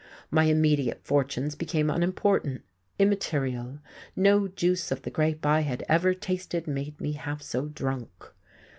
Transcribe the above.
My immediate fortunes became unimportant, immaterial. No juice of the grape I had ever tasted made me half so drunk....